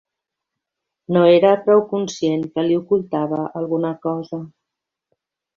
No era prou conscient que li ocultava alguna cosa.